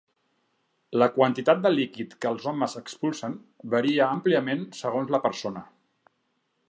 La quantitat de líquid que els homes expulsen varia àmpliament segons la persona.